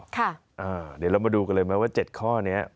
เดี๋ยวเรามาดูกันเลยไหมว่า๗ข้อนี้